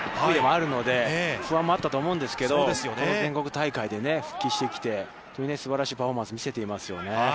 不安もあったと思うんですけど、全国大会で復帰してきてすばらしいパフォーマンスを見せていますよね。